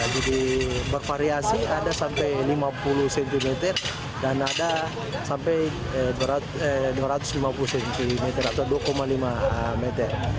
jadi bervariasi ada sampai lima puluh cm dan ada sampai dua ratus lima puluh cm atau dua lima meter